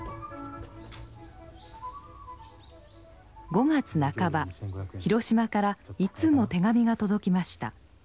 ５月半ば広島から１通の手紙が届きました。